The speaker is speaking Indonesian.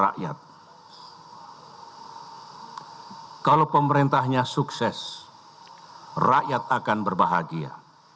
rakyat kalau pemerintahnya sukses rakyat akan berbahagia